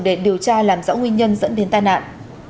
để điều tra làm rõ nguyên nhân dẫn đến tai nạn